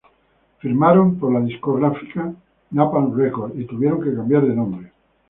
Firmaron por la discográfica Napalm Records, y tuvieron que cambiar de nombre.